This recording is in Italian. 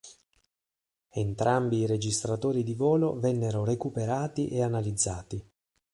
Entrambi i registratori di volo vennero recuperati e analizzati.